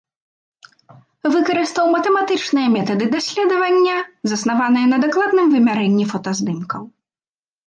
Выкарыстаў матэматычныя метады даследавання, заснаваныя на дакладным вымярэнні фотаздымкаў.